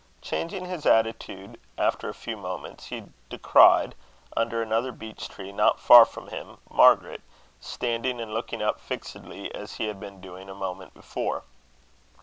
Changing his attitude after a few moments, he descried, under another beech tree, not far from him, Margaret, standing and looking up fixedly as he had been doing a moment before.